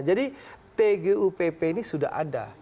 jadi tgupp ini sudah ada